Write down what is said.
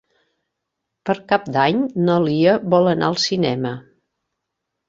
Per Cap d'Any na Lia vol anar al cinema.